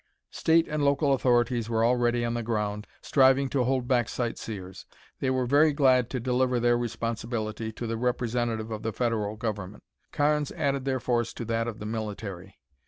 State and local authorities were already on the ground, striving to hold back sightseers. They were very glad to deliver their responsibility to the representative of the federal government. Carnes added their force to that of the military.